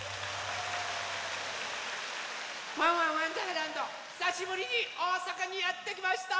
「ワンワンわんだーらんど」ひさしぶりにおおさかにやってきました！